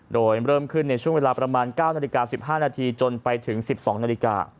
โดยเริ่มขึ้นในช่วงเวลาประมาณ๙นาฬิกา๑๕นาทีจนไปถึง๑๒นาฬิกา